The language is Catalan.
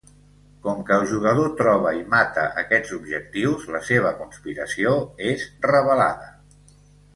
Com que el jugador troba i mata aquests objectius, la seva conspiració és revelada.